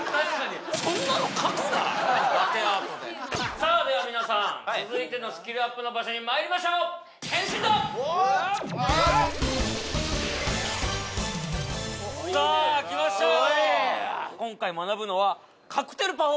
さあでは皆さん続いてのスキルアップの場所にまいりましょう変身だ！はっ！さあ来ましたよ